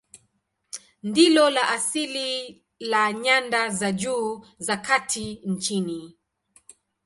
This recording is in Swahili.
Ndilo la asili la nyanda za juu za kati nchini.